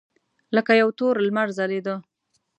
لکه یو تور لمر ځلېده.